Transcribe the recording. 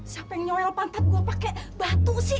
siapa yang nyoel pantat gue pake batu sih